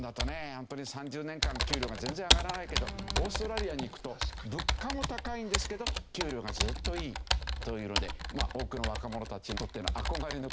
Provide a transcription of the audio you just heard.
本当に３０年間給料が全然上がらないけどオーストラリアに行くと物価も高いんですけど給料がずっといいというので多くの若者たちにとっての憧れの国になってますね。